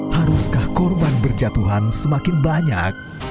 haruskah korban berjatuhan semakin banyak